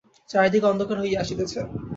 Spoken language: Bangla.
চারিদিকে অন্ধকার হইয়া আসিতেছে।